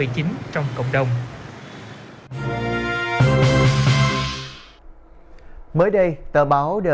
cộng đồng mới đây tờ báo the guardian của anh đã có bài viết về xu hướng tranh giao dịch covid một mươi chín trong